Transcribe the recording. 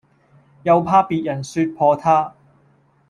又怕別人説破他，